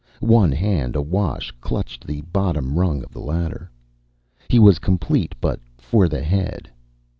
One hand, awash, clutched the bottom rung of the ladder. He was complete but for the head.